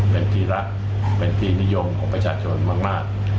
เป็นที่รักเป็นที่นิยมของประชาชนมาก